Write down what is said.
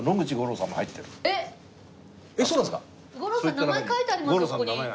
名前書いてありますよ